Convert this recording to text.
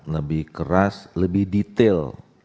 lebih keras lebih detail